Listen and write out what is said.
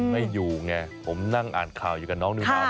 ไม่อยู่ไงผมนั่งอ่านข่าวอยู่กับน้องนิวนาว